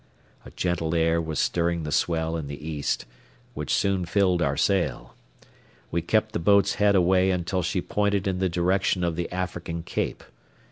A gentle air was stirring the swell in the east, which soon filled our sail. We kept the boat's head away until she pointed in the direction of the African cape.